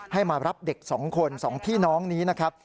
ให้มารับเด็ก๒คน๒พี่น้องนี้นะครับ